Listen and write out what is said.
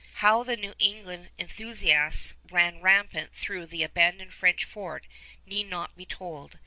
How the New England enthusiasts ran rampant through the abandoned French fort need not be told.